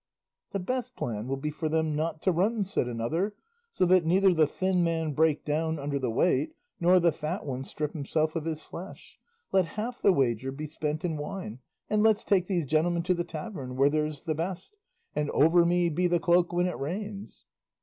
"The best plan will be for them not to run," said another, "so that neither the thin man break down under the weight, nor the fat one strip himself of his flesh; let half the wager be spent in wine, and let's take these gentlemen to the tavern where there's the best, and 'over me be the cloak when it rains.